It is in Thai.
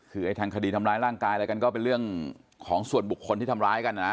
คือไอ้ทางคดีทำร้ายร่างกายอะไรกันก็เป็นเรื่องของส่วนบุคคลที่ทำร้ายกันนะ